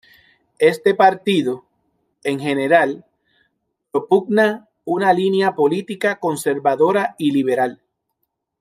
Este partido, en general, propugna una línea política conservadora y liberal.